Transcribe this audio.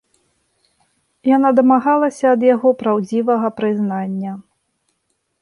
Яна дамагалася ад яго праўдзівага прызнання.